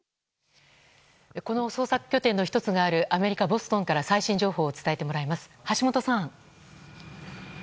この捜索拠点の１つがあるアメリカ・ボストンから最新情報を伝えてもらいます橋本さん。